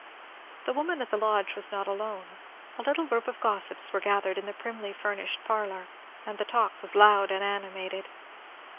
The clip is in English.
The woman at the lodge was not alone; a little group of gossips were gathered in the primly furnished parlour, and the talk was loud and animated.